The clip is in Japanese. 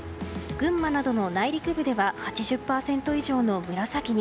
群馬などの内陸部では８０％以上の紫に。